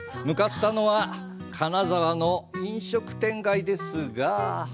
向かったのは、金沢の飲食店街ですが。